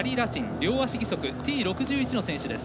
両足義足、Ｔ６１の選手です。